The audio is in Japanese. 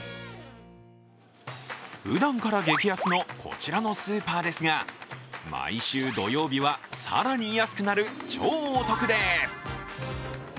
ふだんから激安のこちらのスーパーですが、毎週土曜日は更に安くなる超お得デー。